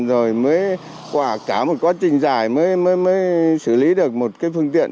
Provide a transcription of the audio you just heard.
rồi mới qua cả một quá trình dài mới xử lý được một cái phương tiện